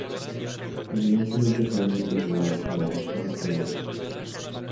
Inmediatamente fueron impresionados por la voz única de Vedder.